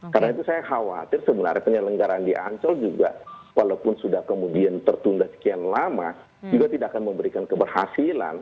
karena itu saya khawatir sebenarnya penyelenggaran di ancol juga walaupun sudah kemudian tertunda sekian lama juga tidak akan memberikan keberhasilan